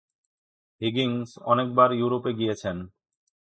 Higgins অনেকবার ইউরোপে গিয়েছেন।